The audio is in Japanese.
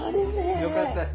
よかった。